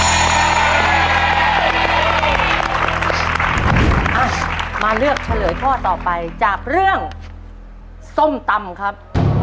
อ่ะมาเลือกเฉลยข้อต่อไปจากเรื่องส้มตำครับ